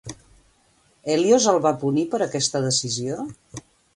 Hèlios el va punir per aquesta decisió?